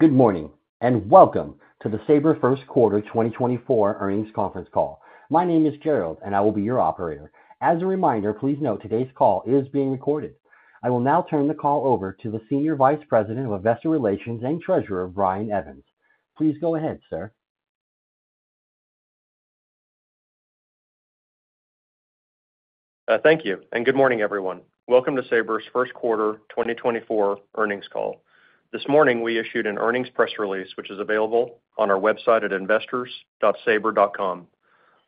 Good morning, and welcome to the Sabre First Quarter 2024 Earnings Conference Call. My name is Gerald, and I will be your operator. As a reminder, please note today's call is being recorded. I will now turn the call over to the Senior Vice President of Investor Relations and Treasurer, Brian Evans. Please go ahead, sir. Thank you, and good morning, everyone. Welcome to Sabre's first quarter 2024 earnings call. This morning, we issued an earnings press release, which is available on our website at investors.sabre.com.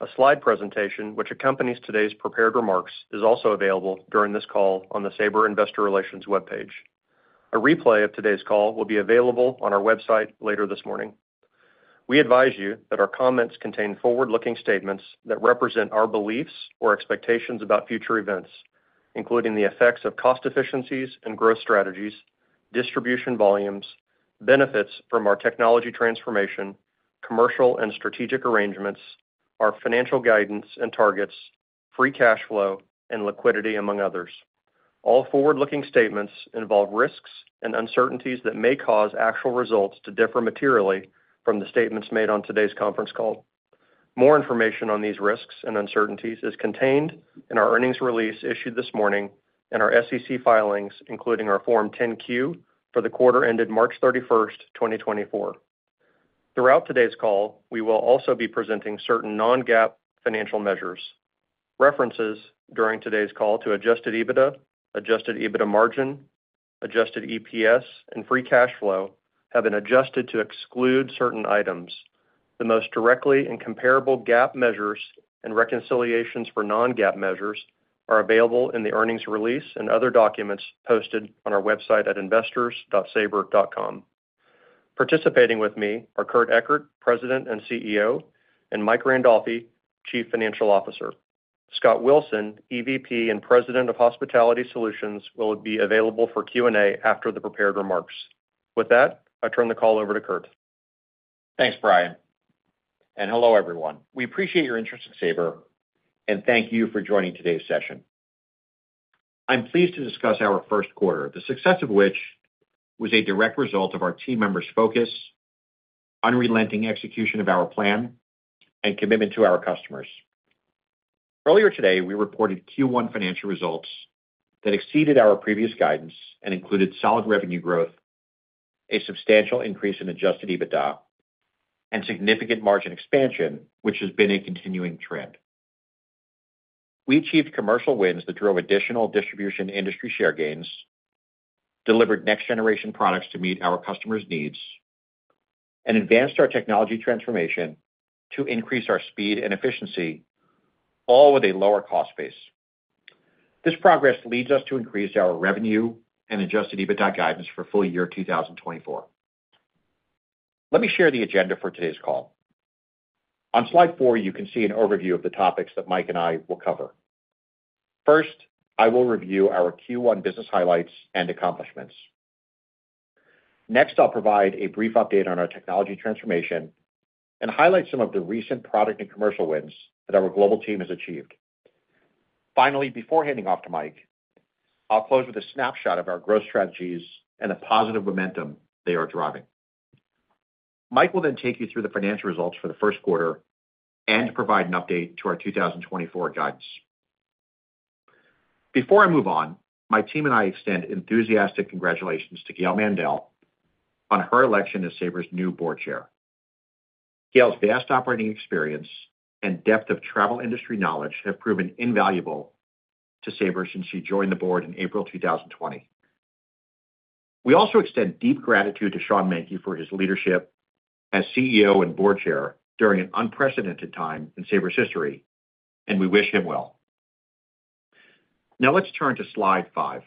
A slide presentation, which accompanies today's prepared remarks, is also available during this call on the Sabre Investor Relations webpage. A replay of today's call will be available on our website later this morning. We advise you that our comments contain forward-looking statements that represent our beliefs or expectations about future events, including the effects of cost efficiencies and growth strategies, distribution volumes, benefits from our technology transformation, commercial and strategic arrangements, our financial guidance and targets, free cash flow, and liquidity, among others. All forward-looking statements involve risks and uncertainties that may cause actual results to differ materially from the statements made on today's conference call. More information on these risks and uncertainties is contained in our earnings release issued this morning and our SEC filings, including our Form 10-Q for the quarter ended March 31, 2024. Throughout today's call, we will also be presenting certain non-GAAP financial measures. References during today's call to Adjusted EBITDA, Adjusted EBITDA margin, Adjusted EPS, and Free Cash Flow have been adjusted to exclude certain items. The most directly and comparable GAAP measures and reconciliations for non-GAAP measures are available in the earnings release and other documents posted on our website at investors.sabre.com. Participating with me are Kurt Ekert, President and CEO, and Mike Randolfi, Chief Financial Officer. Scott Wilson, EVP and President of Hospitality Solutions, will be available for Q and A after the prepared remarks. With that, I turn the call over to Kurt. Thanks, Brian, and hello, everyone. We appreciate your interest in Sabre, and thank you for joining today's session. I'm pleased to discuss our first quarter, the success of which was a direct result of our team members' focus, unrelenting execution of our plan, and commitment to our customers. Earlier today, we reported Q1 financial results that exceeded our previous guidance and included solid revenue growth, a substantial increase in Adjusted EBITDA, and significant margin expansion, which has been a continuing trend. We achieved commercial wins that drove additional distribution industry share gains, delivered next-generation products to meet our customers' needs, and advanced our technology transformation to increase our speed and efficiency, all with a lower cost base. This progress leads us to increase our revenue and Adjusted EBITDA guidance for full year 2024. Let me share the agenda for today's call. On slide four, you can see an overview of the topics that Mike and I will cover. First, I will review our Q1 business highlights and accomplishments. Next, I'll provide a brief update on our technology transformation and highlight some of the recent product and commercial wins that our global team has achieved. Finally, before handing off to Mike, I'll close with a snapshot of our growth strategies and the positive momentum they are driving. Mike will then take you through the financial results for the first quarter and provide an update to our 2024 guidance. Before I move on, my team and I extend enthusiastic congratulations to Gail Mandel on her election as Sabre's new Board Chair. Gail's vast operating experience and depth of travel industry knowledge have proven invaluable to Sabre since she joined the board in April 2020. We also extend deep gratitude to Sean Menke for his leadership as CEO and board chair during an unprecedented time in Sabre's history, and we wish him well. Now, let's turn to slide five.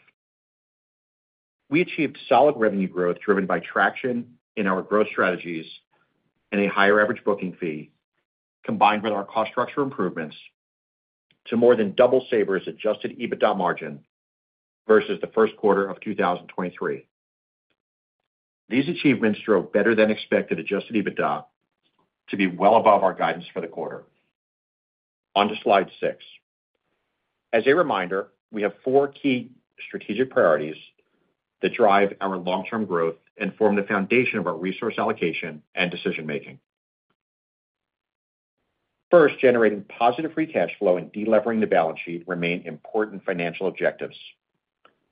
We achieved solid revenue growth, driven by traction in our growth strategies and a higher average booking fee, combined with our cost structure improvements, to more than double Sabre's Adjusted EBITDA margin versus the first quarter of 2023. These achievements drove better-than-expected Adjusted EBITDA to be well above our guidance for the quarter. On to slide six. As a reminder, we have four key strategic priorities that drive our long-term growth and form the foundation of our resource allocation and decision-making. First, generating positive free cash flow and delevering the balance sheet remain important financial objectives.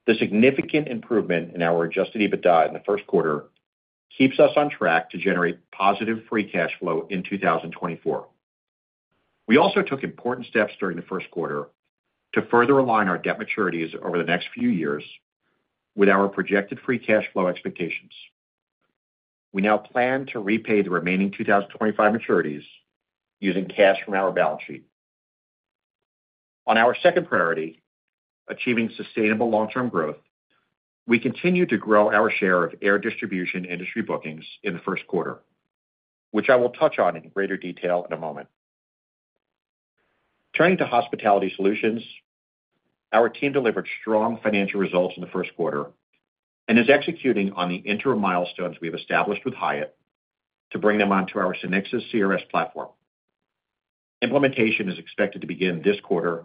The significant improvement in our Adjusted EBITDA in the first quarter keeps us on track to generate positive Free Cash Flow in 2024. We also took important steps during the first quarter to further align our debt maturities over the next few years with our projected Free Cash Flow expectations. We now plan to repay the remaining 2025 maturities using cash from our balance sheet. On our second priority, achieving sustainable long-term growth, we continued to grow our share of air distribution industry bookings in the first quarter, which I will touch on in greater detail in a moment. Turning to Hospitality Solutions, our team delivered strong financial results in the first quarter and is executing on the interim milestones we have established with Hyatt to bring them onto our SynXis CRS platform. Implementation is expected to begin this quarter,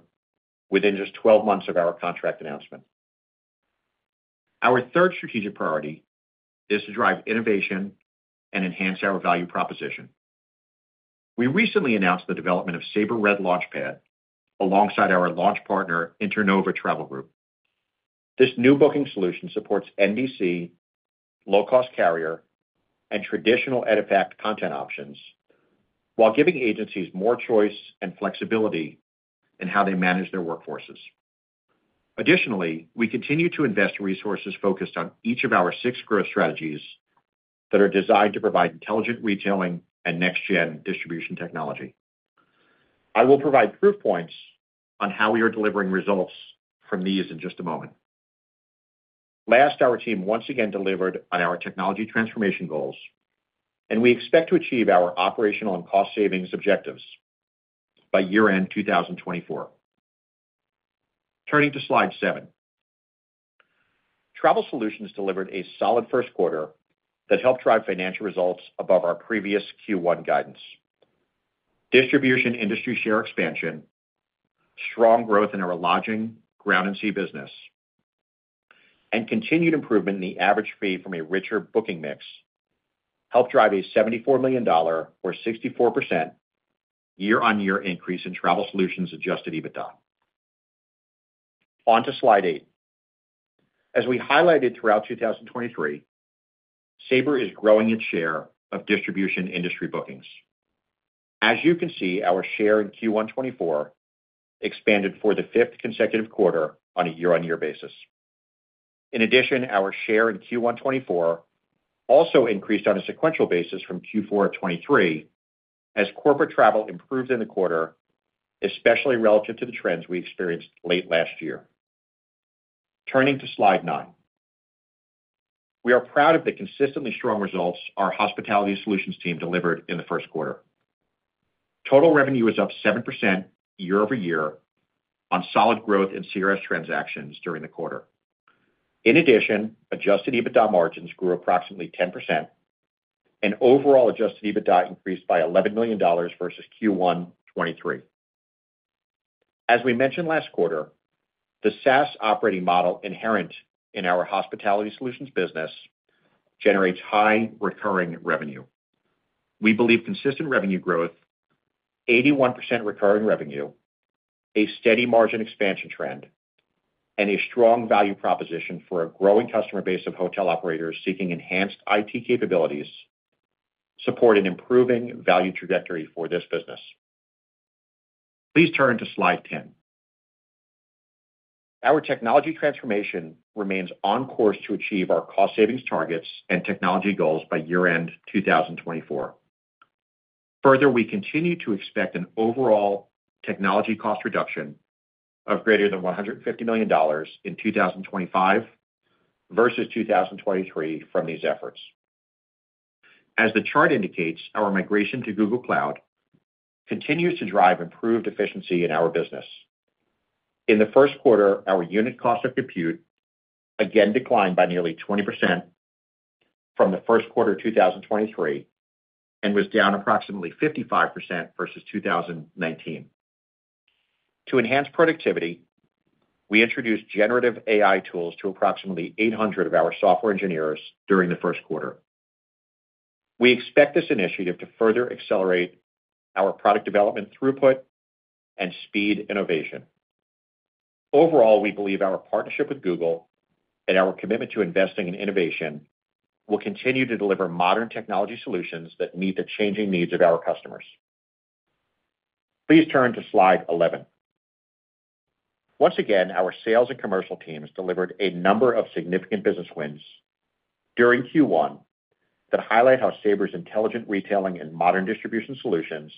within just 12 months of our contract announcement. Our third strategic priority is to drive innovation and enhance our value proposition. We recently announced the development of Sabre Red Launchpad, alongside our launch partner, Internova Travel Group. This new booking solution supports NDC, low-cost carrier, and traditional EDIFACT content options, while giving agencies more choice and flexibility in how they manage their workforces. Additionally, we continue to invest resources focused on each of our six growth strategies that are designed to provide intelligent retailing and next-gen distribution technology. I will provide proof points on how we are delivering results from these in just a moment. Last, our team once again delivered on our technology transformation goals, and we expect to achieve our operational and cost savings objectives by year-end 2024. Turning to slide seven. Travel Solutions delivered a solid first quarter that helped drive financial results above our previous Q1 guidance. Distribution industry share expansion, strong growth in our lodging, ground, and sea business, and continued improvement in the average fee from a richer booking mix, helped drive a $74 million or 64% year-on-year increase in Travel Solutions Adjusted EBITDA. On to slide eight. As we highlighted throughout 2023, Sabre is growing its share of distribution industry bookings. As you can see, our share in Q1 2024 expanded for the 5th consecutive quarter on a year-on-year basis. In addition, our share in Q1 2024 also increased on a sequential basis from Q4 of 2023, as corporate travel improved in the quarter, especially relative to the trends we experienced late last year. Turning to slide nine. We are proud of the consistently strong results our Hospitality Solutions team delivered in the first quarter. Total revenue was up 7% year-over-year on solid growth in CRS transactions during the quarter. In addition, Adjusted EBITDA margins grew approximately 10%, and overall Adjusted EBITDA increased by $11 million versus Q1 2023. As we mentioned last quarter, the SaaS operating model inherent in our Hospitality Solutions business generates high recurring revenue. We believe consistent revenue growth, 81% recurring revenue, a steady margin expansion trend, and a strong value proposition for a growing customer base of hotel operators seeking enhanced IT capabilities, support an improving value trajectory for this business. Please turn to slide 10. Our technology transformation remains on course to achieve our cost savings targets and technology goals by year-end 2024. Further, we continue to expect an overall technology cost reduction of greater than $150 million in 2025 versus 2023 from these efforts. As the chart indicates, our migration to Google Cloud continues to drive improved efficiency in our business. In the first quarter, our unit cost of compute again declined by nearly 20% from the first quarter of 2023, and was down approximately 55% versus 2019. To enhance productivity, we introduced generative AI tools to approximately 800 of our software engineers during the first quarter. We expect this initiative to further accelerate our product development throughput and speed innovation. Overall, we believe our partnership with Google and our commitment to investing in innovation will continue to deliver modern technology solutions that meet the changing needs of our customers. Please turn to slide 11. Once again, our sales and commercial teams delivered a number of significant business wins during Q1 that highlight how Sabre's intelligent retailing and modern distribution solutions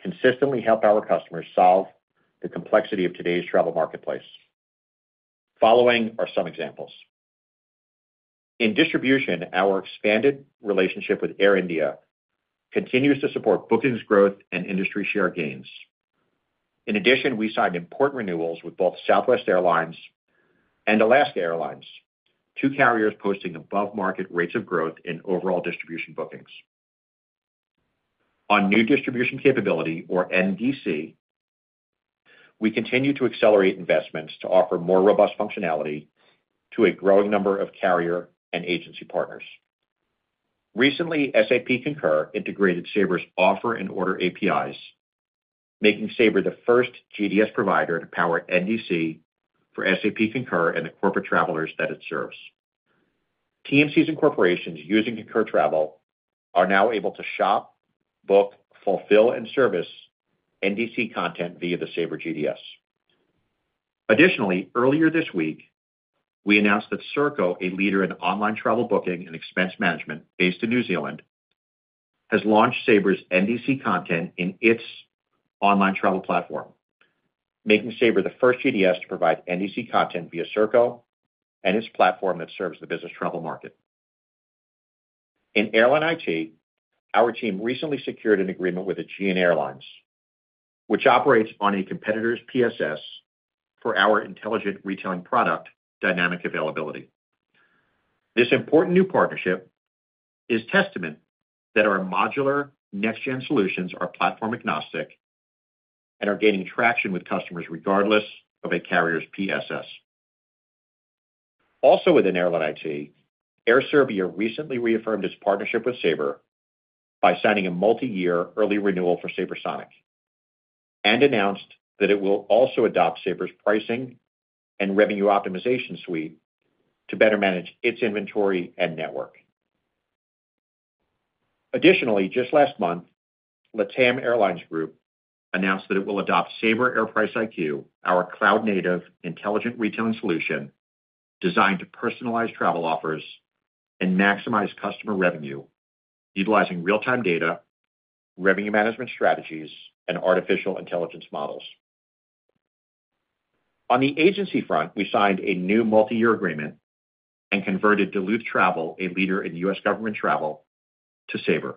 consistently help our customers solve the complexity of today's travel marketplace. Following are some examples. In distribution, our expanded relationship with Air India continues to support bookings growth and industry share gains. In addition, we signed important renewals with both Southwest Airlines and Alaska Airlines, two carriers posting above-market rates of growth in overall distribution bookings. On New Distribution Capability, or NDC, we continue to accelerate investments to offer more robust functionality to a growing number of carrier and agency partners. Recently, SAP Concur integrated Sabre's offer and order APIs, making Sabre the first GDS provider to power NDC for SAP Concur and the corporate travelers that it serves. TMCs and corporations using Concur Travel are now able to shop, book, fulfill, and service NDC content via the Sabre GDS. Additionally, earlier this week, we announced that Serko, a leader in online travel booking and expense management based in New Zealand, has launched Sabre's NDC content in its online travel platform, making Sabre the first GDS to provide NDC content via Serko and its platform that serves the business travel market. In Airline IT, our team recently secured an agreement with Aegean Airlines, which operates on a competitor's PSS for our intelligent retailing product, Dynamic Availability. This important new partnership is testament that our modular next-gen solutions are platform-agnostic and are gaining traction with customers regardless of a carrier's PSS. Also, within Airline IT, Air Serbia recently reaffirmed its partnership with Sabre by signing a multiyear early renewal for SabreSonic, and announced that it will also adopt Sabre's pricing and revenue optimization suite to better manage its inventory and network. Additionally, just last month, LATAM Airlines Group announced that it will adopt Sabre Air Price IQ, our cloud-native, intelligent retailing solution designed to personalize travel offers and maximize customer revenue, utilizing real-time data, revenue management strategies, and artificial intelligence models. On the agency front, we signed a new multiyear agreement and converted Duluth Travel, a leader in U.S. government travel, to Sabre.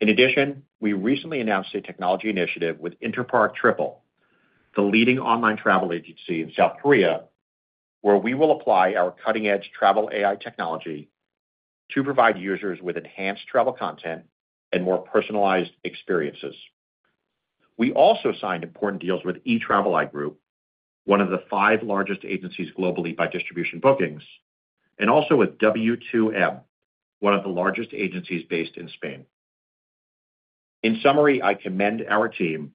In addition, we recently announced a technology initiative with InterparkTriple, the leading online travel agency in South Korea, where we will apply our cutting-edge travel AI technology to provide users with enhanced travel content and more personalized experiences. We also signed important deals with eTraveli Group, one of the five largest agencies globally by distribution bookings, and also with W2M, one of the largest agencies based in Spain. In summary, I commend our team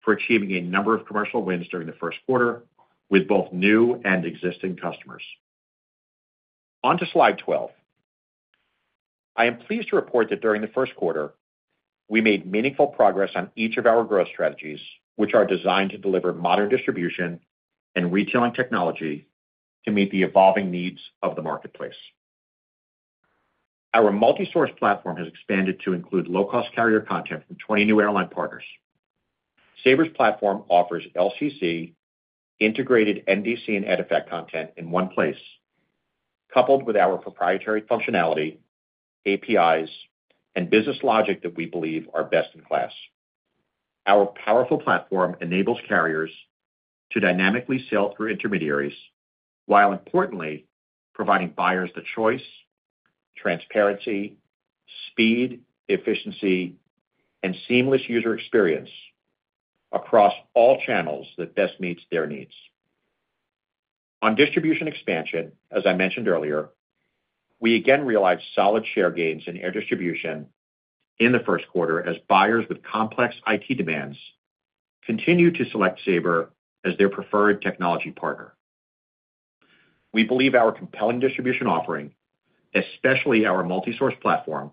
for achieving a number of commercial wins during the first quarter with both new and existing customers. On to slide 12. I am pleased to report that during the first quarter, we made meaningful progress on each of our growth strategies, which are designed to deliver modern distribution and retailing technology to meet the evolving needs of the marketplace. Our multi-source platform has expanded to include low-cost carrier content from 20 new airline partners. Sabre's platform offers LCC, integrated NDC, and EDIFACT content in one place, coupled with our proprietary functionality, APIs, and business logic that we believe are best in class. Our powerful platform enables carriers to dynamically sell through intermediaries, while importantly, providing buyers the choice, transparency, speed, efficiency, and seamless user experience across all channels that best meets their needs. On distribution expansion, as I mentioned earlier, we again realized solid share gains in air distribution in the first quarter as buyers with complex IT demands continue to select Sabre as their preferred technology partner. We believe our compelling distribution offering, especially our multi-source platform,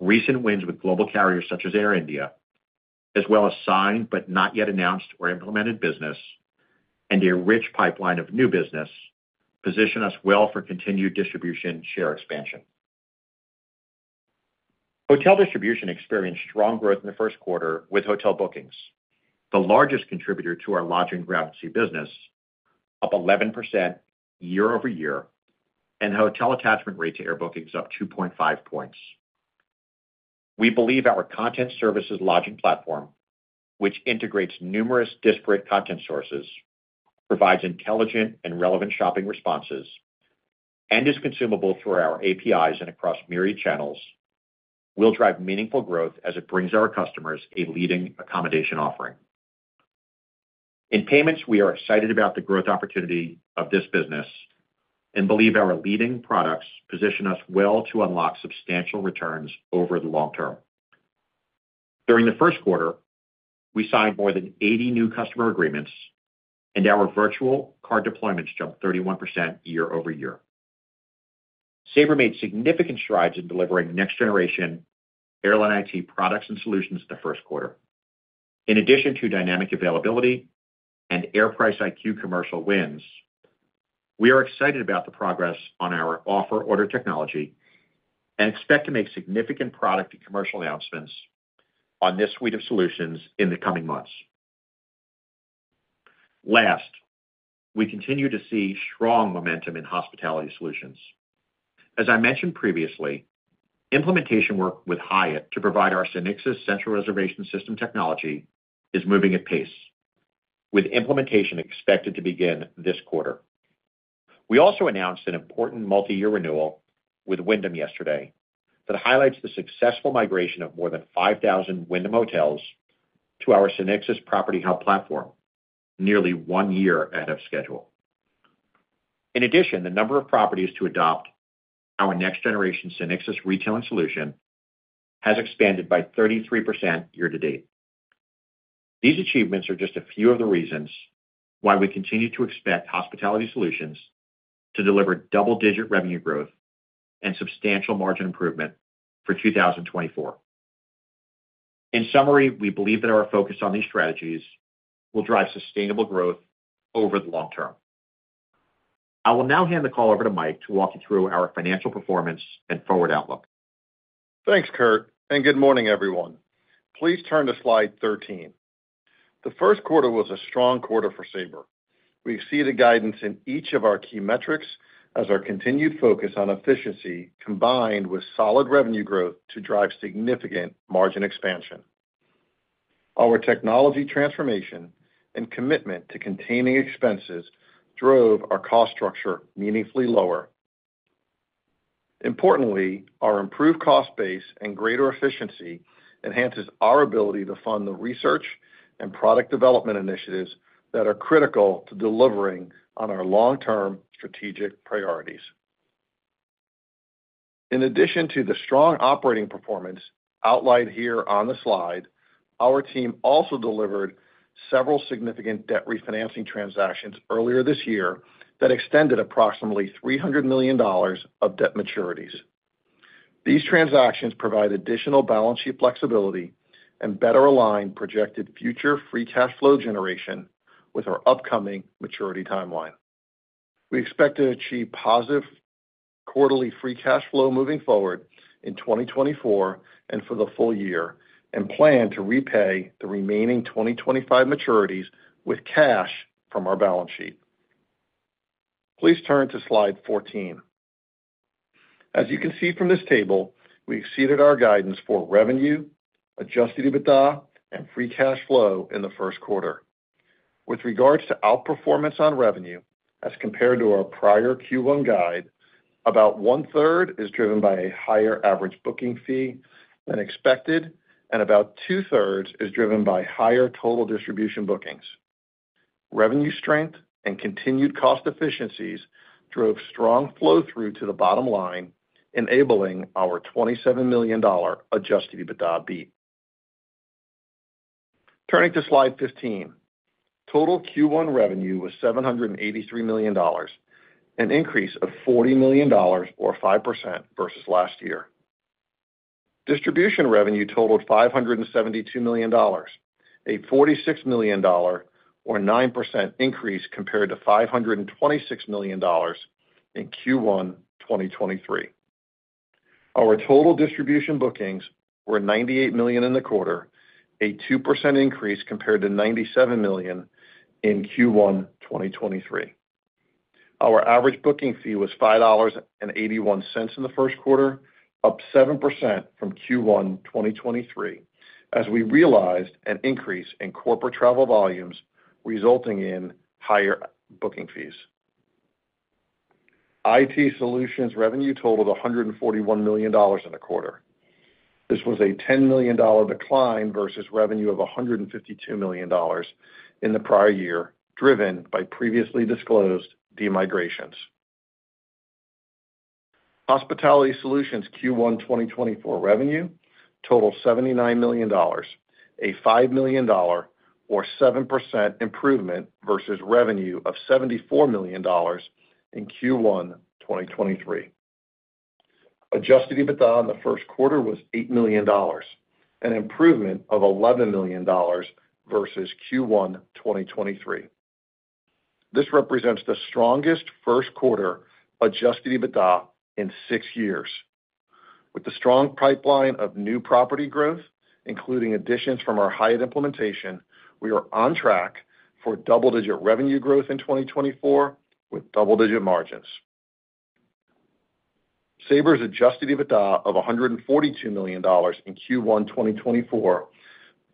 recent wins with global carriers such as Air India, as well as signed but not yet announced or implemented business, and a rich pipeline of new business, position us well for continued distribution share expansion. Hotel distribution experienced strong growth in the first quarter, with hotel bookings, the largest contributor to our lodging revenue business, up 11% year-over-year, and hotel attachment rate to air bookings up 2.5 points. We believe our Content Services for Lodging platform, which integrates numerous disparate content sources, provides intelligent and relevant shopping responses, and is consumable through our APIs and across myriad channels, will drive meaningful growth as it brings our customers a leading accommodation offering. In payments, we are excited about the growth opportunity of this business and believe our leading products position us well to unlock substantial returns over the long term. During the first quarter, we signed more than 80 new customer agreements, and our virtual card deployments jumped 31% year-over-year. Sabre made significant strides in delivering next-generation airline IT products and solutions in the first quarter. In addition to Dynamic Availability and Air Price IQ commercial wins, we are excited about the progress on our offer and order technology and expect to make significant product and commercial announcements on this suite of solutions in the coming months. Last, we continue to see strong momentum in Hospitality Solutions. As I mentioned previously, implementation work with Hyatt to provide our SynXis Central Reservation System technology is moving at pace, with implementation expected to begin this quarter. We also announced an important multiyear renewal with Wyndham yesterday that highlights the successful migration of more than 5,000 Wyndham Hotels to our SynXis Property Hub platform, nearly one year ahead of schedule. In addition, the number of properties to adopt our next-generation SynXis Retailing solution has expanded by 33% year to date. These achievements are just a few of the reasons why we continue to expect Hospitality Solutions to deliver double-digit revenue growth and substantial margin improvement for 2024. In summary, we believe that our focus on these strategies will drive sustainable growth over the long term. I will now hand the call over to Mike to walk you through our financial performance and forward outlook. Thanks, Kurt, and good morning, everyone. Please turn to slide 13. The first quarter was a strong quarter for Sabre. We've exceeded guidance in each of our key metrics as our continued focus on efficiency, combined with solid revenue growth to drive significant margin expansion. Our technology transformation and commitment to containing expenses drove our cost structure meaningfully lower. Importantly, our improved cost base and greater efficiency enhances our ability to fund the research and product development initiatives that are critical to delivering on our long-term strategic priorities. In addition to the strong operating performance outlined here on the slide, our team also delivered several significant debt refinancing transactions earlier this year that extended approximately $300 million of debt maturities. These transactions provide additional balance sheet flexibility and better align projected future free cash flow generation with our upcoming maturity timeline. We expect to achieve positive quarterly Free Cash Flow moving forward in 2024 and for the full year, and plan to repay the remaining 2025 maturities with cash from our balance sheet. Please turn to Slide 14. As you can see from this table, we exceeded our guidance for revenue, Adjusted EBITDA, and Free Cash Flow in the first quarter. With regards to outperformance on revenue, as compared to our prior Q1 guide, about 1/3 is driven by a higher average booking fee than expected, and about 2/3 is driven by higher total distribution bookings. Revenue strength and continued cost efficiencies drove strong flow-through to the bottom line, enabling our $27 million Adjusted EBITDA beat. Turning to Slide 15. Total Q1 revenue was $783 million, an increase of $40 million or 5% versus last year. Distribution revenue totaled $572 million, a $46 million or 9% increase compared to $526 million in Q1 2023. Our total distribution bookings were 98 million in the quarter, a 2% increase compared to 97 million in Q1 2023. Our average booking fee was $5.81 in the first quarter, up 7% from Q1 2023, as we realized an increase in corporate travel volumes, resulting in higher booking fees. IT solutions revenue totaled $141 million in the quarter. This was a $10 million decline versus revenue of $152 million in the prior year, driven by previously disclosed de-migrations. Hospitality Solutions Q1 2024 revenue totaled $79 million, a $5 million or 7% improvement versus revenue of $74 million in Q1 2023. Adjusted EBITDA in the first quarter was $8 million, an improvement of $11 million versus Q1 2023. This represents the strongest first quarter Adjusted EBITDA in 6 years. With the strong pipeline of new property growth, including additions from our Hyatt implementation, we are on track for double-digit revenue growth in 2024 with double-digit margins. Sabre's Adjusted EBITDA of $142 million in Q1 2024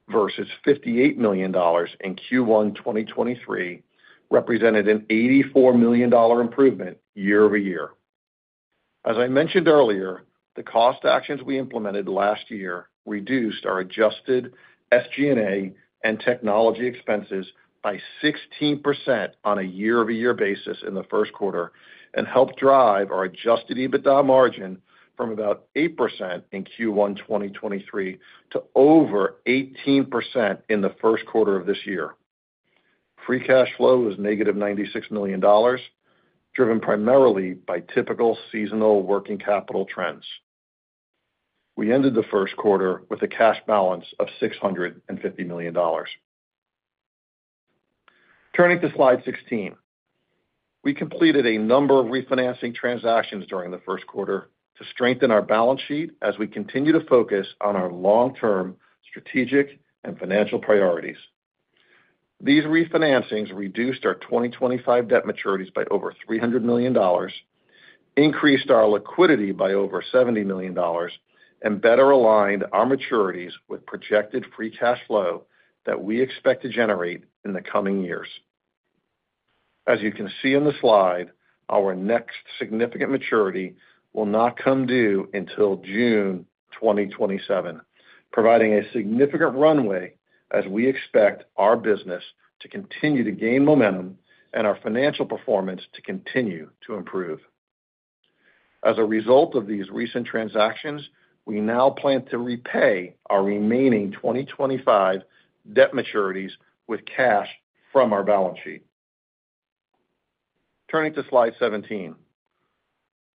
versus $58 million in Q1 2023, represented an $84 million dollar improvement year-over-year. As I mentioned earlier, the cost actions we implemented last year reduced our Adjusted SG&A and technology expenses by 16% on a year-over-year basis in the first quarter, and helped drive our Adjusted EBITDA margin from about 8% in Q1 2023 to over 18% in the first quarter of this year. Free cash flow was negative $96 million, driven primarily by typical seasonal working capital trends. We ended the first quarter with a cash balance of $650 million. Turning to Slide 16. We completed a number of refinancing transactions during the first quarter to strengthen our balance sheet as we continue to focus on our long-term strategic and financial priorities. These refinancings reduced our 2025 debt maturities by over $300 million, increased our liquidity by over $70 million, and better aligned our maturities with projected free cash flow that we expect to generate in the coming years. As you can see in the slide, our next significant maturity will not come due until June 2027, providing a significant runway as we expect our business to continue to gain momentum and our financial performance to continue to improve. As a result of these recent transactions, we now plan to repay our remaining 2025 debt maturities with cash from our balance sheet. Turning to Slide 17.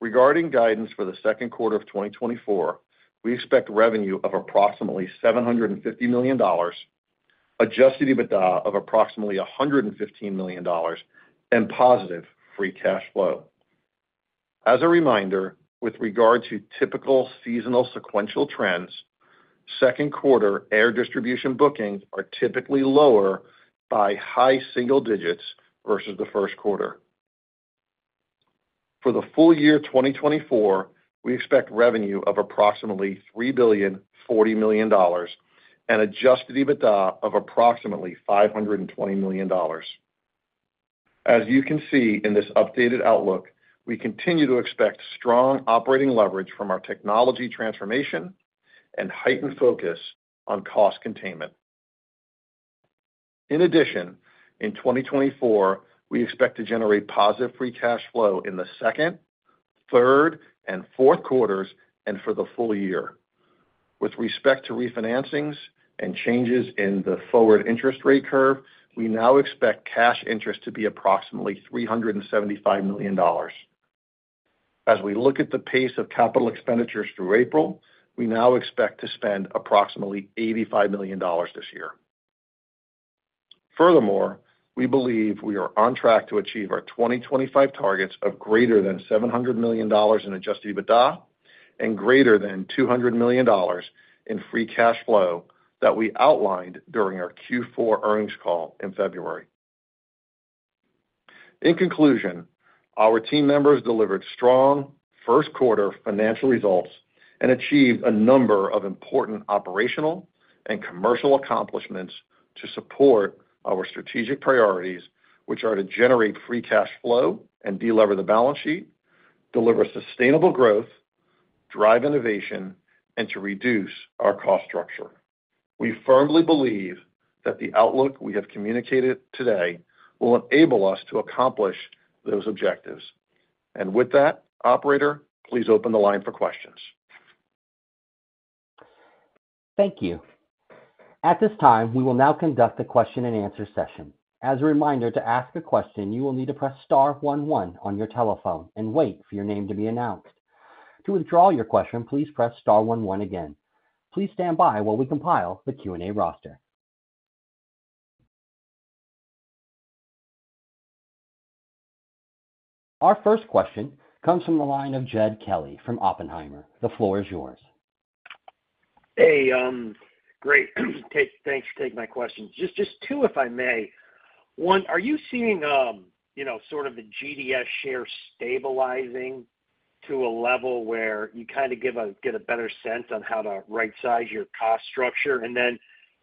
Regarding guidance for the second quarter of 2024, we expect revenue of approximately $750 million, Adjusted EBITDA of approximately $115 million, and positive Free Cash Flow. As a reminder, with regard to typical seasonal sequential trends, second quarter air distribution bookings are typically lower by high single digits versus the first quarter. ...For the full year 2024, we expect revenue of approximately $3.04 billion and Adjusted EBITDA of approximately $520 million. As you can see in this updated outlook, we continue to expect strong operating leverage from our technology transformation and heightened focus on cost containment. In addition, in 2024, we expect to generate positive Free Cash Flow in the second, third, and fourth quarters and for the full year. With respect to refinancings and changes in the forward interest rate curve, we now expect cash interest to be approximately $375 million. As we look at the pace of capital expenditures through April, we now expect to spend approximately $85 million this year. Furthermore, we believe we are on track to achieve our 2025 targets of greater than $700 million in Adjusted EBITDA and greater than $200 million in free cash flow that we outlined during our Q4 earnings call in February. In conclusion, our team members delivered strong first quarter financial results and achieved a number of important operational and commercial accomplishments to support our strategic priorities, which are to generate free cash flow and delever the balance sheet, deliver sustainable growth, drive innovation, and to reduce our cost structure. We firmly believe that the outlook we have communicated today will enable us to accomplish those objectives. And with that, operator, please open the line for questions. Thank you. At this time, we will now conduct a question-and-answer session. As a reminder, to ask a question, you will need to press star one, one, on your telephone and wait for your name to be announced. To withdraw your question, please press star one, one, again. Please stand by while we compile the Q and A roster. Our first question comes from the line of Jed Kelly from Oppenheimer. The floor is yours. Hey, great. Thanks for taking my questions. Just, just two, if I may. One, are you seeing, you know, sort of the GDS share stabilizing to a level where you kind of get a better sense on how to rightsize your cost structure? And then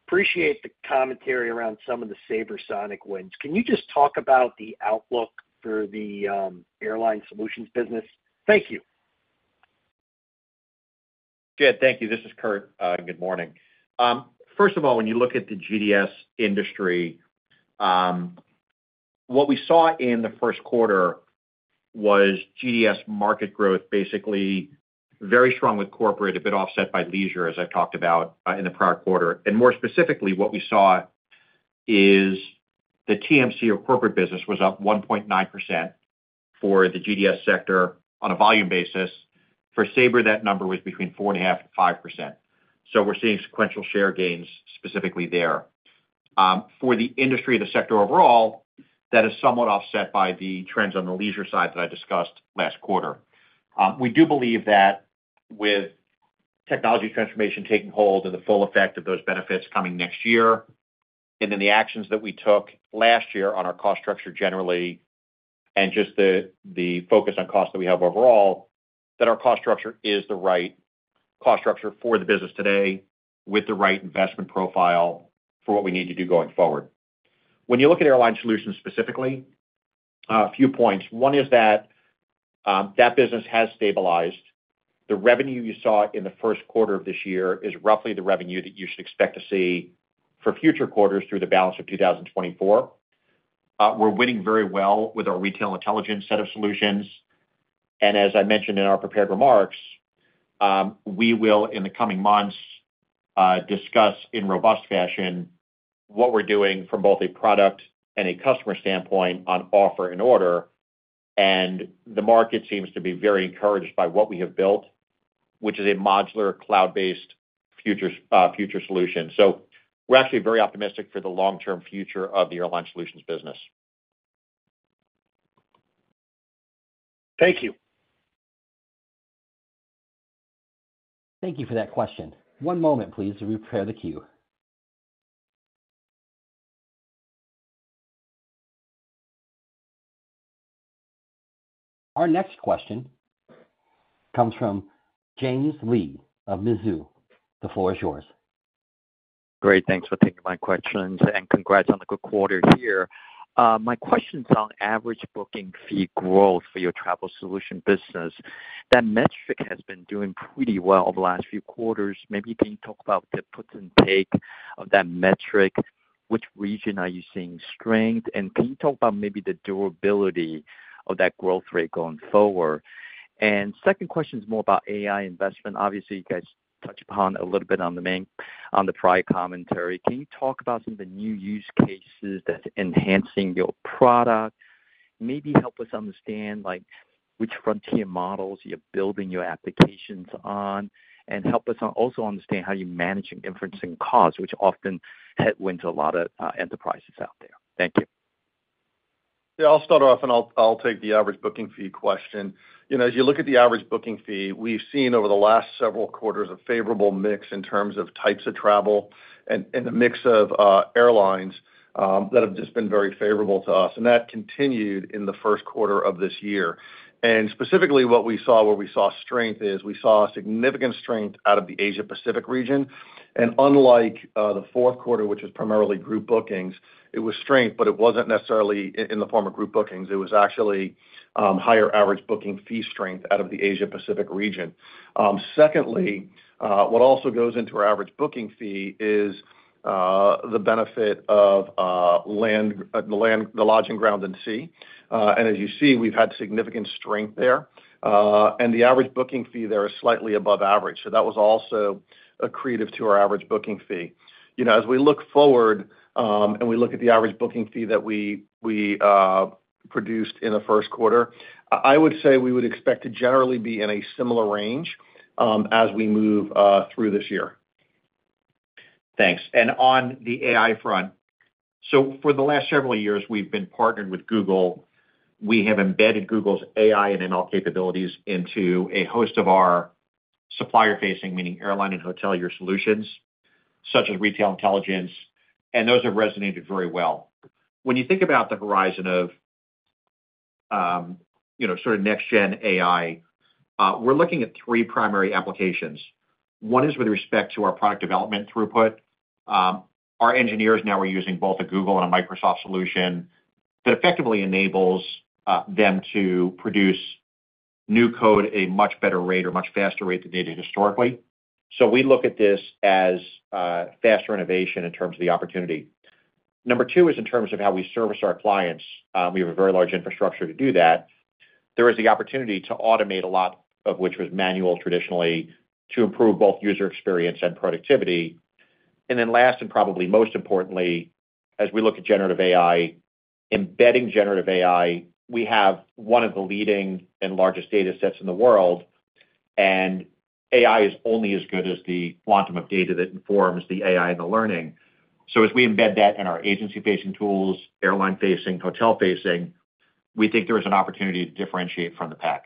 appreciate the commentary around some of the SabreSonic wins. Can you just talk about the outlook for the, Airline Solutions business? Thank you. Jed, thank you. This is Kurt. Good morning. First of all, when you look at the GDS industry, what we saw in the first quarter was GDS market growth, basically very strong with corporate, a bit offset by leisure, as I've talked about in the prior quarter. More specifically, what we saw is the TMC or corporate business was up 1.9% for the GDS sector on a volume basis. For Sabre, that number was between 4.5% to 5%. So we're seeing sequential share gains specifically there. For the industry, the sector overall, that is somewhat offset by the trends on the leisure side that I discussed last quarter. We do believe that with technology transformation taking hold and the full effect of those benefits coming next year, and then the actions that we took last year on our cost structure generally, and just the focus on cost that we have overall, that our cost structure is the right cost structure for the business today, with the right investment profile for what we need to do going forward. When you look at Airline Solutions specifically, a few points. One is that that business has stabilized. The revenue you saw in the first quarter of this year is roughly the revenue that you should expect to see for future quarters through the balance of 2024. We're winning very well with our retail intelligence set of solutions, and as I mentioned in our prepared remarks, we will, in the coming months, discuss in robust fashion what we're doing from both a product and a customer standpoint on offer and order. And the market seems to be very encouraged by what we have built, which is a modular, cloud-based future, future solution. So we're actually very optimistic for the long-term future of the Airline Solutions business. Thank you. Thank you for that question. One moment, please, to prepare the queue. Our next question comes from James Lee of Mizuho. The floor is yours. Great, thanks for taking my questions, and congrats on the good quarter here. My question's on average booking fee growth for your travel solution business. That metric has been doing pretty well the last few quarters. Maybe can you talk about the puts and take of that metric? Which region are you seeing strength? And can you talk about maybe the durability of that growth rate going forward? And second question is more about AI investment. Obviously, you guys touched upon a little bit on the main, on the prior commentary. Can you talk about some of the new use cases that's enhancing your product? Maybe help us understand, like, which frontier models you're building your applications on, and help us on- also understand how you're managing inferencing costs, which often headwinds a lot of, enterprises out there. Thank you. Yeah, I'll start off, and I'll take the average booking fee question. You know, as you look at the average booking fee, we've seen over the last several quarters, a favorable mix in terms of types of travel and the mix of airlines that have just been very favorable to us, and that continued in the first quarter of this year. Specifically, what we saw, where we saw strength is we saw a significant strength out of the Asia Pacific region. Unlike the fourth quarter, which was primarily group bookings, it was strength, but it wasn't necessarily in the form of group bookings. It was actually higher average booking fee strength out of the Asia Pacific region. Secondly, what also goes into our average booking fee is the benefit of the lodging ground and sea. And as you see, we've had significant strength there, and the average booking fee there is slightly above average. So that was also accretive to our average booking fee. You know, as we look forward, and we look at the average booking fee that we produced in the first quarter, I would say we would expect to generally be in a similar range, as we move through this year. Thanks. On the AI front, so for the last several years, we've been partnered with Google. We have embedded Google's AI and ML capabilities into a host of our supplier-facing, meaning airline and hotelier solutions, such as retail intelligence, and those have resonated very well. When you think about the horizon of, you know, sort of next-gen AI, we're looking at three primary applications. One is with respect to our product development throughput. Our engineers now are using both a Google and a Microsoft solution that effectively enables them to produce new code a much better rate or much faster rate than they did historically. So we look at this as faster innovation in terms of the opportunity. Number two is in terms of how we service our clients. We have a very large infrastructure to do that. There is the opportunity to automate a lot of which was manual traditionally, to improve both user experience and productivity. And then last, and probably most importantly, as we look at generative AI, embedding generative AI, we have one of the leading and largest data sets in the world, and AI is only as good as the quantum of data that informs the AI and the learning. So as we embed that in our agency-facing tools, airline-facing, hotel-facing, we think there is an opportunity to differentiate from the pack.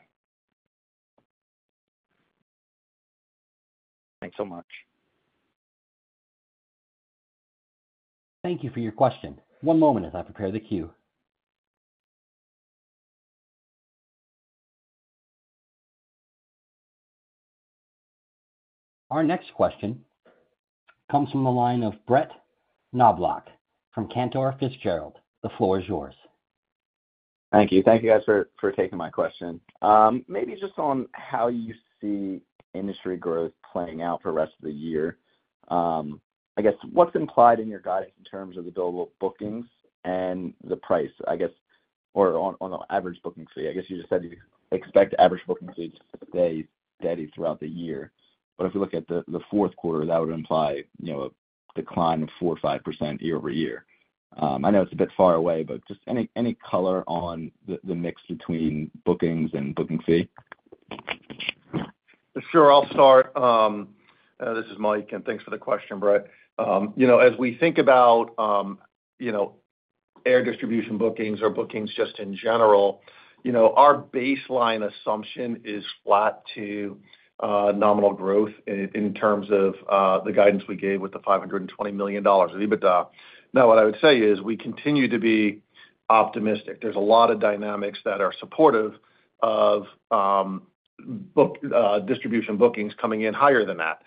Thanks so much. Thank you for your question. One moment as I prepare the queue. Our next question comes from the line of Brett Knoblauch from Cantor Fitzgerald. The floor is yours. Thank you. Thank you guys for taking my question. Maybe just on how you see industry growth playing out for the rest of the year. I guess what's implied in your guidance in terms of the billable bookings and the price, I guess, or on the average booking fee? I guess you just said you expect average booking fee to stay steady throughout the year, but if we look at the fourth quarter, that would imply, you know, a decline of 4% or 5% year-over-year. I know it's a bit far away, but just any color on the mix between bookings and booking fee? Sure. I'll start. This is Mike, and thanks for the question, Brett. You know, as we think about, you know, air distribution bookings or bookings just in general, you know, our baseline assumption is flat to nominal growth in terms of the guidance we gave with the $520 million of EBITDA. Now, what I would say is we continue to be optimistic. There's a lot of dynamics that are supportive of distribution bookings coming in higher than that.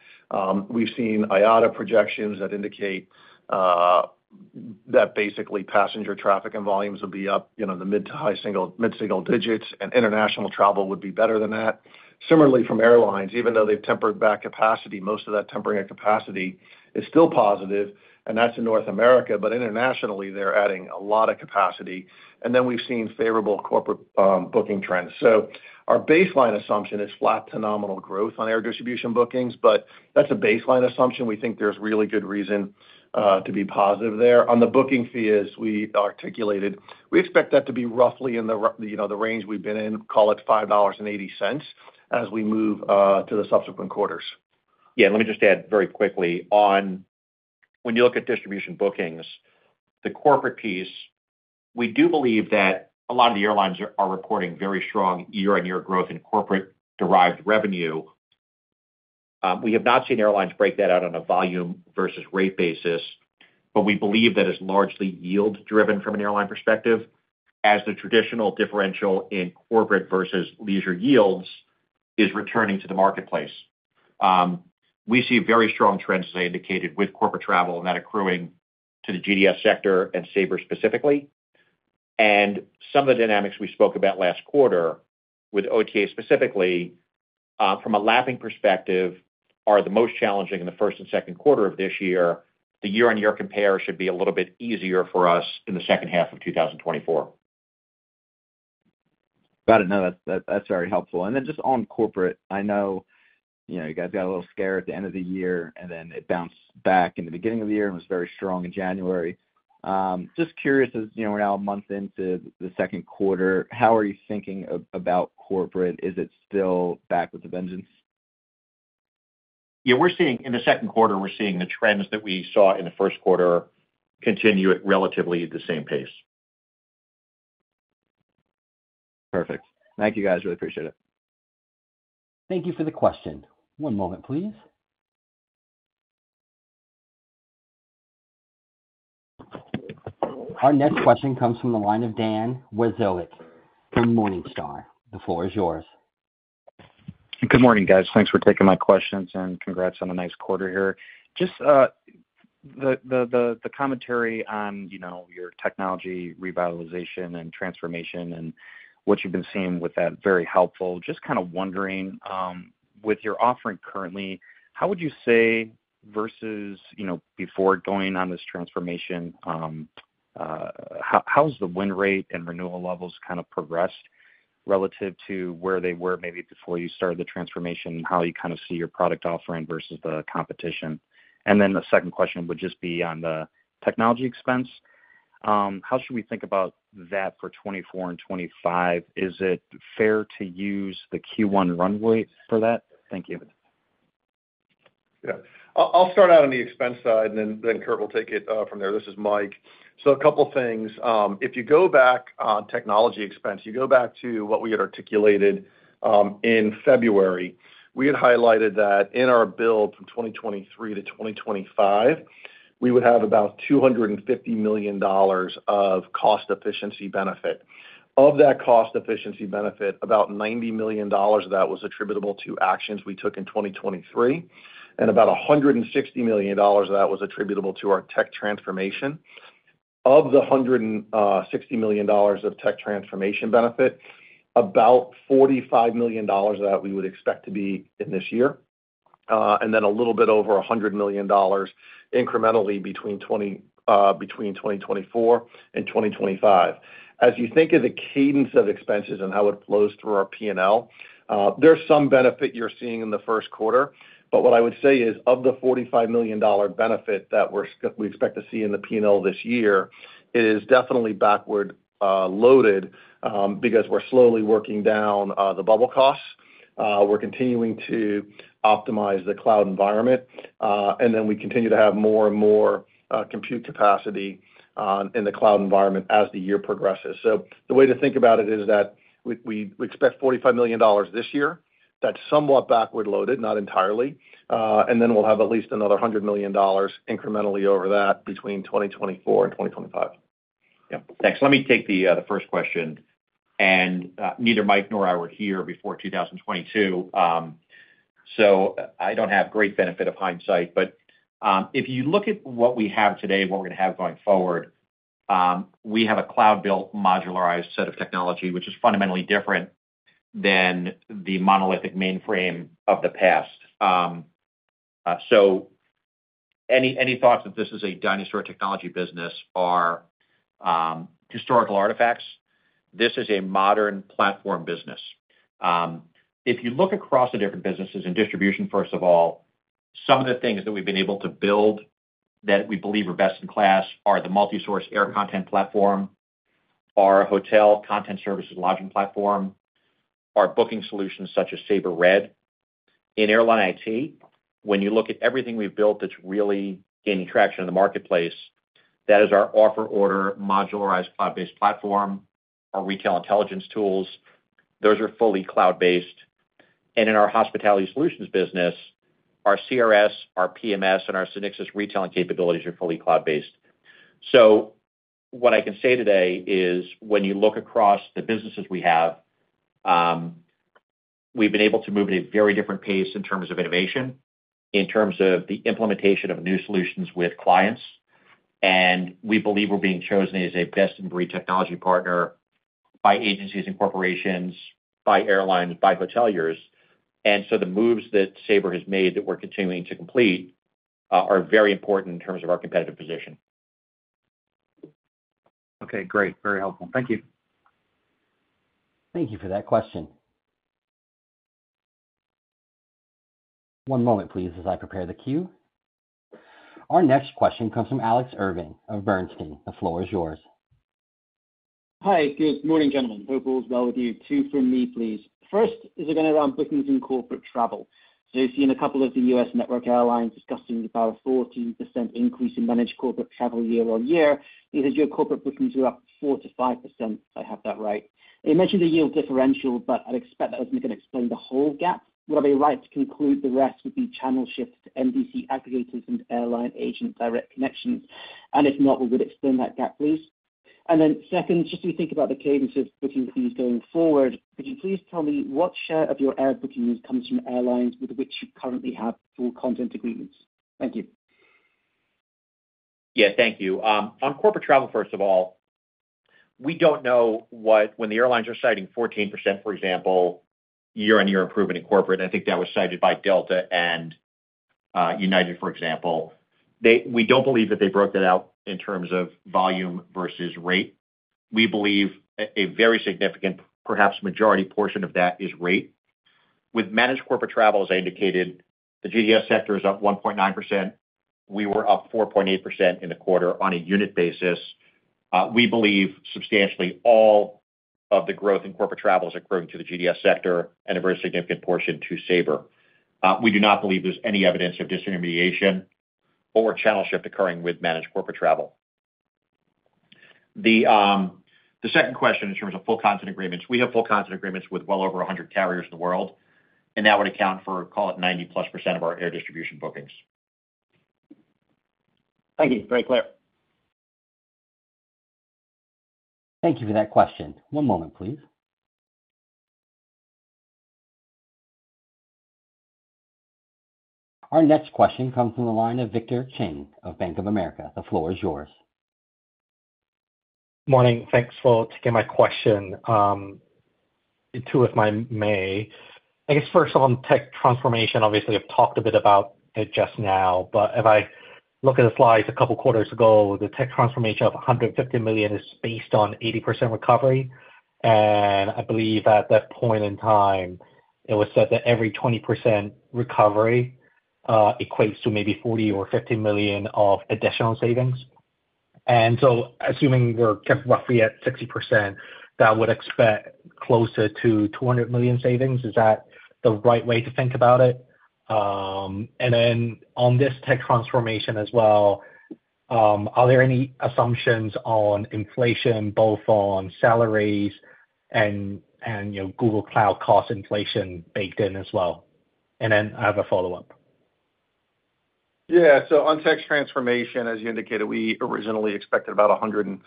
We've seen IATA projections that indicate that basically passenger traffic and volumes will be up, you know, in the mid to high single, mid-single digits, and international travel would be better than that. Similarly, from airlines, even though they've tempered back capacity, most of that tempering of capacity is still positive, and that's in North America. But internationally, they're adding a lot of capacity, and then we've seen favorable corporate booking trends. So our baseline assumption is flat to nominal growth on air distribution bookings, but that's a baseline assumption. We think there's really good reason to be positive there. On the booking fee, as we articulated, we expect that to be roughly in the, you know, the range we've been in, call it $5.80, as we move to the subsequent quarters. Yeah, let me just add very quickly on when you look at distribution bookings, the corporate piece, we do believe that a lot of the airlines are reporting very strong year-on-year growth in corporate-derived revenue. We have not seen airlines break that out on a volume versus rate basis, but we believe that is largely yield driven from an airline perspective, as the traditional differential in corporate versus leisure yields is returning to the marketplace. We see very strong trends, as I indicated, with corporate travel and that accruing to the GDS sector and Sabre specifically. Some of the dynamics we spoke about last quarter with OTA specifically, from a lapping perspective, are the most challenging in the first and second quarter of this year. The year-on-year compare should be a little bit easier for us in the second half of 2024. Got it. No, that's, that's very helpful. And then just on corporate, I know, you know, you guys got a little scare at the end of the year, and then it bounced back in the beginning of the year and was very strong in January. Just curious, as you know, we're now a month into the second quarter, how are you thinking about corporate? Is it still back with a vengeance? Yeah, we're seeing, in the second quarter, we're seeing the trends that we saw in the first quarter continue at relatively the same pace. Perfect. Thank you, guys. Really appreciate it. Thank you for the question. One moment, please. Our next question comes from the line of Dan Wasiolek from Morningstar. The floor is yours. Good morning, guys. Thanks for taking my questions, and congrats on a nice quarter here. Just the commentary on, you know, your technology revitalization and transformation and what you've been seeing with that, very helpful. Just kind of wondering, with your offering currently, how would you say versus, you know, before going on this transformation, how's the win rate and renewal levels kind of progressed relative to where they were maybe before you started the transformation? How you kind of see your product offering versus the competition? And then the second question would just be on the technology expense. How should we think about that for 2024 and 2025? Is it fair to use the Q1 runway for that? Thank you. Yeah. I'll, I'll start out on the expense side, and then, then Kurt will take it from there. This is Mike. So a couple things. If you go back on technology expense, you go back to what we had articulated in February. We had highlighted that in our build from 2023 to 2025, we would have about $250 million of cost efficiency benefit. Of that cost efficiency benefit, about $90 million of that was attributable to actions we took in 2023, and about $160 million of that was attributable to our tech transformation. Of the $160 million of tech transformation benefit, about $45 million of that we would expect to be in this year, and then a little bit over $100 million incrementally between 2024 and 2025. As you think of the cadence of expenses and how it flows through our P&L, there's some benefit you're seeing in the first quarter. But what I would say is, of the $45 million benefit that we expect to see in the P&L this year, it is definitely backward loaded, because we're slowly working down the bubble costs. We're continuing to optimize the cloud environment, and then we continue to have more and more compute capacity in the cloud environment as the year progresses. So the way to think about it is that we expect $45 million this year. That's somewhat back-loaded, not entirely. And then we'll have at least another $100 million incrementally over that between 2024 and 2025. Yeah. Thanks. Let me take the first question, and neither Mike nor I were here before 2022, so I don't have great benefit of hindsight. But if you look at what we have today and what we're gonna have going forward, we have a cloud-built, modularized set of technology, which is fundamentally different than the monolithic mainframe of the past. So any thoughts that this is a dinosaur technology business are historical artifacts. This is a modern platform business. If you look across the different businesses in distribution, first of all, some of the things that we've been able to build that we believe are best in class are the multi-source air content platform, our hotel content services lodging platform, our booking solutions such as Sabre Red. In Airline IT, when you look at everything we've built, that's really gaining traction in the marketplace, that is our Offer Order modularized cloud-based platform, our retail intelligence tools, those are fully cloud-based. And in our hospitality solutions business, our CRS, our PMS, and our SynXis retailing capabilities are fully cloud-based. So what I can say today is, when you look across the businesses we have, we've been able to move at a very different pace in terms of innovation, in terms of the implementation of new solutions with clients, and we believe we're being chosen as a best-in-breed technology partner by agencies and corporations, by airlines, by hoteliers. And so the moves that Sabre has made, that we're continuing to complete, are very important in terms of our competitive position. Okay, great. Very helpful. Thank you. Thank you for that question. One moment, please, as I prepare the queue. Our next question comes from Alex Irving of Bernstein. The floor is yours. Hi, good morning, gentlemen. Hope all is well with you. Two from me, please. First, is again around bookings and corporate travel. So you've seen a couple of the US network airlines discussing about a 14% increase in managed corporate travel year-over-year. You said your corporate bookings were up 4%-5%, if I have that right. You mentioned the yield differential, but I'd expect that wasn't going to explain the whole gap. Would I be right to conclude the rest would be channel shifts to NDC aggregators and airline agent direct connections? And if not, what would explain that gap, please? And then second, just so we think about the cadence of booking fees going forward, could you please tell me what share of your air bookings comes from airlines with which you currently have full content agreements? Thank you. Yeah, thank you. On corporate travel, first of all, we don't know what—when the airlines are citing 14%, for example, year-on-year improvement in corporate, I think that was cited by Delta and United, for example. They... We don't believe that they broke that out in terms of volume versus rate. We believe a very significant, perhaps majority portion of that is rate. With managed corporate travel, as I indicated, the GDS sector is up 1.9%. We were up 4.8% in the quarter on a unit basis. We believe substantially all of the growth in corporate travel is accruing to the GDS sector and a very significant portion to Sabre. We do not believe there's any evidence of disintermediation or channel shift occurring with managed corporate travel. The second question in terms of full content agreements, we have full content agreements with well over 100 carriers in the world, and that would account for, call it, 90%+ of our air distribution bookings. Thank you. Very clear. Thank you for that question. One moment, please. Our next question comes from the line of Victor Cheng of Bank of America. The floor is yours. Morning. Thanks for taking my question. Two, if I may. I guess first on tech transformation, obviously, you've talked a bit about it just now, but if I look at the slides a couple of quarters ago, the tech transformation of $150 million is based on 80% recovery. And I believe at that point in time, it was said that every 20% recovery equates to maybe $40 million or $50 million of additional savings. And so assuming we're kept roughly at 60%, that would expect closer to $200 million savings, is that the right way to think about it? And then on this tech transformation as well, are there any assumptions on inflation, both on salaries and, you know, Google Cloud cost inflation baked in as well? And then I have a follow-up. Yeah. So on tech transformation, as you indicated, we originally expected about $150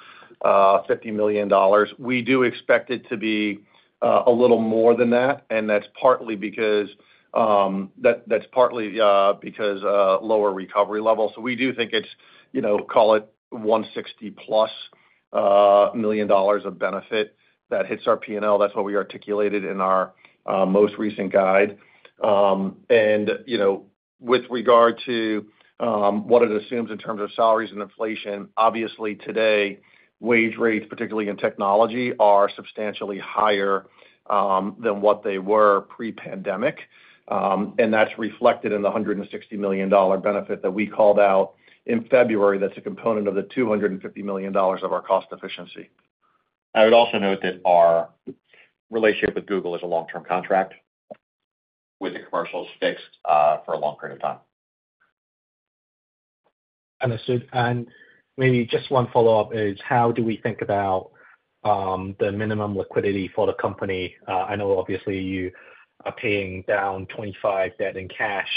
million. We do expect it to be a little more than that, and that's partly because of lower recovery levels. So we do think it's, you know, call it $160+ million of benefit that hits our P&L. That's what we articulated in our most recent guide. And, you know, with regard to what it assumes in terms of salaries and inflation, obviously today, wage rates, particularly in technology, are substantially higher than what they were pre-pandemic. And that's reflected in the $160 million benefit that we called out in February. That's a component of the $250 million of our cost efficiency. I would also note that our relationship with Google is a long-term contract, with the commercials fixed, for a long period of time. Understood. And maybe just one follow-up is: How do we think about the minimum liquidity for the company? I know obviously you are paying down $25 debt in cash,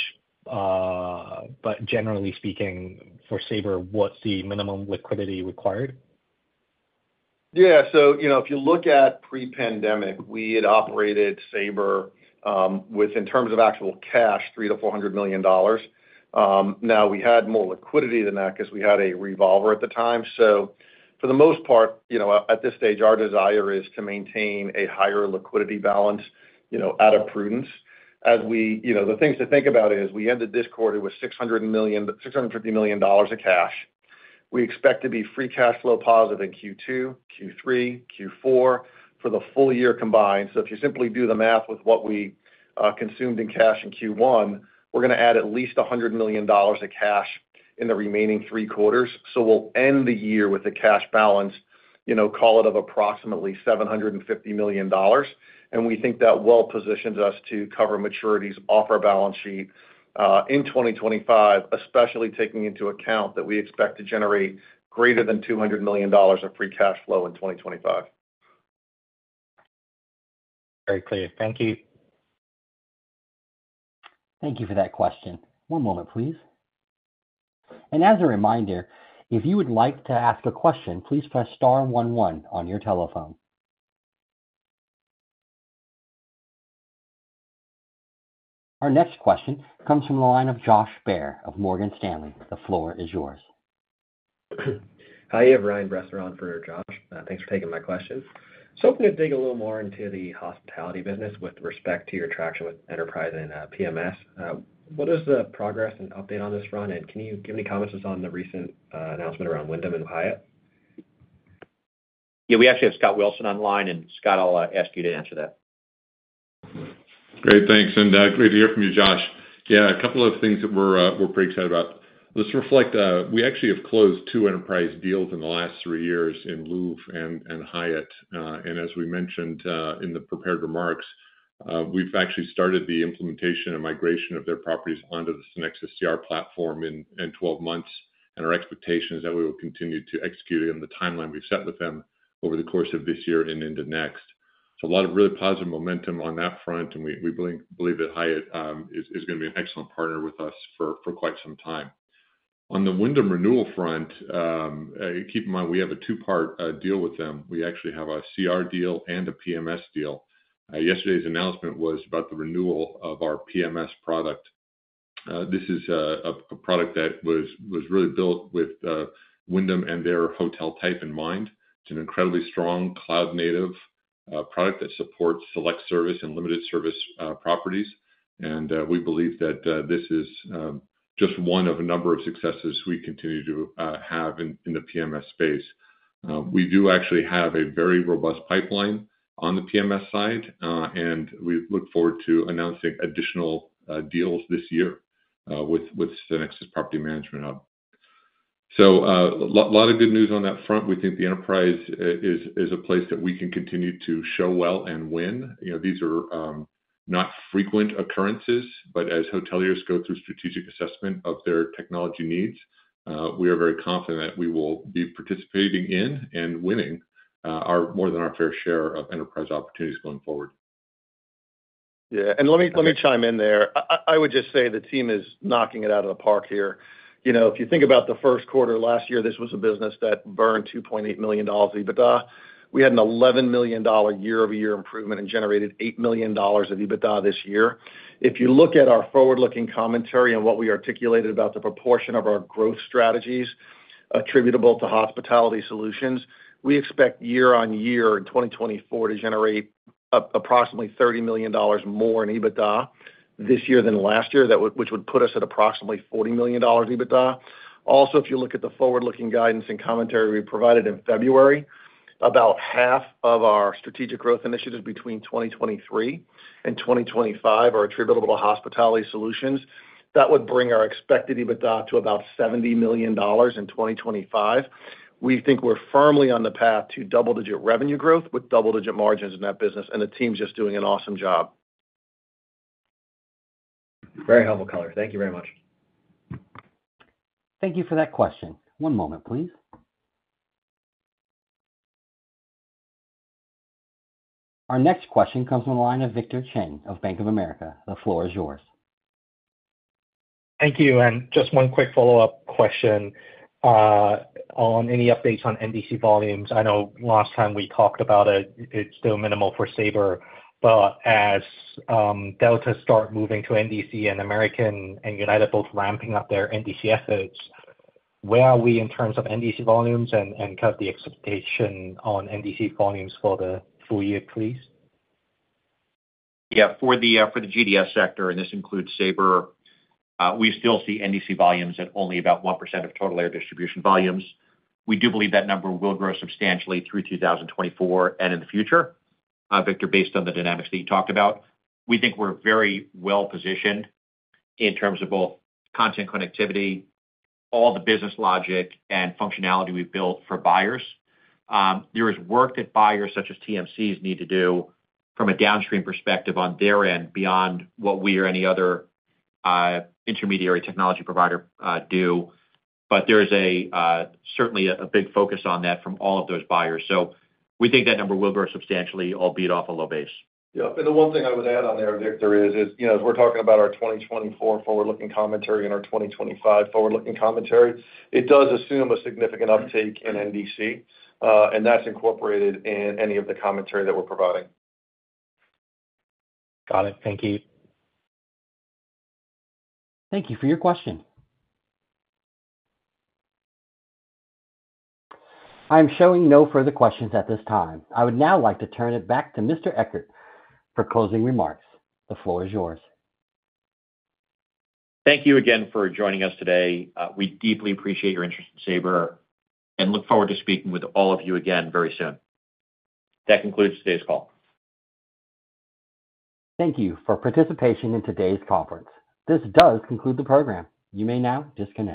but generally speaking, for Sabre, what's the minimum liquidity required? Yeah. So you know, if you look at pre-pandemic, we had operated Sabre with, in terms of actual cash, $300 million-$400 million. Now we had more liquidity than that because we had a revolver at the time. So for the most part, you know, at this stage, our desire is to maintain a higher liquidity balance, you know, out of prudence. As we, you know, the things to think about is we ended this quarter with 600 million, but $650 million of cash. We expect to be free cash flow positive in Q2, Q3, Q4 for the full year combined. So if you simply do the math with what we consumed in cash in Q1, we're gonna add at least $100 million of cash in the remaining three quarters. So we'll end the year with a cash balance, you know, call it, of approximately $750 million. And we think that well positions us to cover maturities off our balance sheet in 2025, especially taking into account that we expect to generate greater than $200 million of free cash flow in 2025. Very clear. Thank you. Thank you for that question. One moment, please. As a reminder, if you would like to ask a question, please press star one one on your telephone. Our next question comes from the line of Josh Baer of Morgan Stanley. The floor is yours. Hi, Ryan Bresser on for Josh. Thanks for taking my questions. So hoping to dig a little more into the hospitality business with respect to your traction with Enterprise and PMS. What is the progress and update on this front? And can you give any comments just on the recent announcement around Wyndham and Hyatt? Yeah, we actually have Scott Wilson on the line, and Scott, I'll ask you to answer that. Great, thanks, and great to hear from you, Josh. Yeah, a couple of things that we're pretty excited about. Let's reflect, we actually have closed two enterprise deals in the last 3 years in Louvre and Hyatt. And as we mentioned in the prepared remarks, we've actually started the implementation and migration of their properties onto the SynXis CRS platform in 12 months, and our expectation is that we will continue to execute on the timeline we've set with them over the course of this year and into next. So a lot of really positive momentum on that front, and we believe that Hyatt is gonna be an excellent partner with us for quite some time. On the Wyndham renewal front, keep in mind, we have a 2-part deal with them. We actually have a CR deal and a PMS deal. Yesterday's announcement was about the renewal of our PMS product. This is a product that was really built with Wyndham and their hotel type in mind. It's an incredibly strong cloud-native product that supports select service and limited service properties. We believe that this is just one of a number of successes we continue to have in the PMS space. We do actually have a very robust pipeline on the PMS side, and we look forward to announcing additional deals this year, with SynXis Property Hub. So, lot of good news on that front. We think the enterprise is a place that we can continue to show well and win. You know, these are not frequent occurrences, but as hoteliers go through strategic assessment of their technology needs, we are very confident that we will be participating in and winning our more than our fair share of enterprise opportunities going forward. Yeah, let me chime in there. I would just say the team is knocking it out of the park here. You know, if you think about the first quarter last year, this was a business that burned $2.8 million EBITDA. We had an $11 million year-over-year improvement and generated $8 million of EBITDA this year. If you look at our forward-looking commentary and what we articulated about the proportion of our growth strategies attributable to Hospitality Solutions, we expect year-on-year in 2024 to generate approximately $30 million more in EBITDA this year than last year, which would put us at approximately $40 million EBITDA. Also, if you look at the forward-looking guidance and commentary we provided in February, about half of our strategic growth initiatives between 2023 and 2025 are attributable to Hospitality Solutions. That would bring our expected EBITDA to about $70 million in 2025. We think we're firmly on the path to double-digit revenue growth with double-digit margins in that business, and the team's just doing an awesome job. Very helpful color. Thank you very much. Thank you for that question. One moment, please. Our next question comes from the line of Victor Cheng of Bank of America. The floor is yours. Thank you, and just one quick follow-up question on any updates on NDC volumes. I know last time we talked about it, it's still minimal for Sabre. But as Delta start moving to NDC and American and United both ramping up their NDC efforts, where are we in terms of NDC volumes and kind of the expectation on NDC volumes for the full year, please? Yeah, for the, for the GDS sector, and this includes Sabre, we still see NDC volumes at only about 1% of total air distribution volumes. We do believe that number will grow substantially through 2024 and in the future, Victor, based on the dynamics that you talked about. We think we're very well positioned in terms of both content connectivity, all the business logic and functionality we've built for buyers. There is work that buyers, such as TMCs, need to do from a downstream perspective on their end beyond what we or any other, intermediary technology provider, do, but there is a, certainly a big focus on that from all of those buyers. So we think that number will grow substantially, albeit off a low base. Yeah, and the one thing I would add on there, Victor, is you know, as we're talking about our 2024 forward-looking commentary and our 2025 forward-looking commentary, it does assume a significant uptake in NDC, and that's incorporated in any of the commentary that we're providing. Got it. Thank you. Thank you for your question. I'm showing no further questions at this time. I would now like to turn it back to Mr. Ekert for closing remarks. The floor is yours. Thank you again for joining us today. We deeply appreciate your interest in Sabre and look forward to speaking with all of you again very soon. That concludes today's call. Thank you for participation in today's conference. This does conclude the program. You may now disconnect.